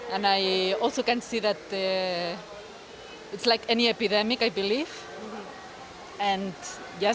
dan saya juga tidak bisa melihatnya seperti epidemi saya percaya